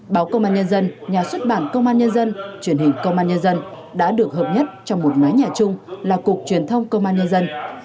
báo công an nhân dân nhà xuất bản công an nhân dân truyền hình công an nhân dân đã được hợp nhất trong một mái nhà chung là cục truyền thông công an nhân dân